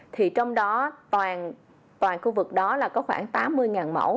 thì trong đó toàn khu vực đó là có khoảng tám mươi mẫu